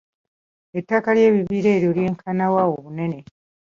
Ettaka ly'ekibira eryo lyenkana wa obunene?